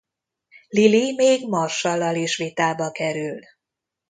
Lily még Marshall-lal is vitába kerül.